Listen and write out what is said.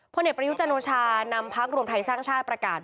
เด็กประยุจันโอชานำพักรวมไทยสร้างชาติประกาศ